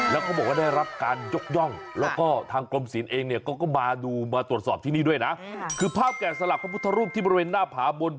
แล้วเขาบอกว่าได้รับการยกย่องแล้วก็ทางกรมศิลป์เองเนี่ยเขาก็มาดูมาตรวจสอบที่นี่ด้วยนะคือภาพแก่สลักพระพุทธรูปที่บริเวณหน้าผาบน